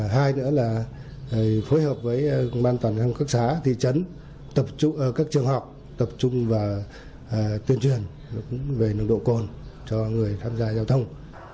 hai nữa là phối hợp với các trường học tập trung và tuyên truyền về năng độ con cho người tham gia giao thông